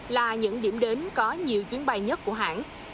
là những điểm đến có nhiều chuyến bay nhất của hãng